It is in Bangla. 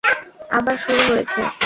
আবার শুরু হয়েছে।